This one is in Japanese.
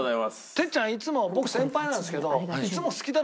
哲ちゃんいつも僕先輩なんですけど。